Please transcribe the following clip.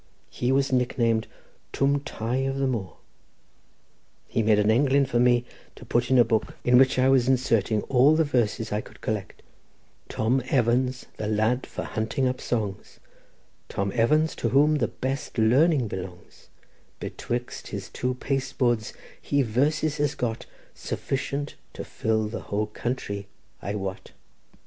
He was nicknamed Tum Tai of the Moor. He made an englyn for me to put in a book, in which I was inserting all the verses I could collect: "'Tom Evan's the lad for hunting up songs, Tom Evan to whom the best learning belongs; Betwixt his two pasteboards he verses has got, Sufficient to fill the whole country, I wot.